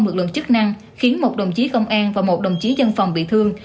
lực lượng chức năng khiến một đồng chí công an và một đồng chí dân phòng bị thương